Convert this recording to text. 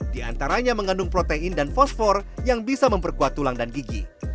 di antaranya mengandung protein dan fosfor yang bisa memperkuat tulang dan gigi